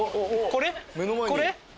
これ？